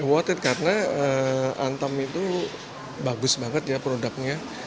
khawatir karena antam itu bagus banget ya produknya